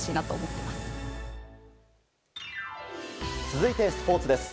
続いて、スポーツです。